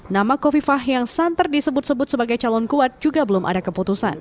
nama kofifah yang santer disebut sebut sebagai calon kuat juga belum ada keputusan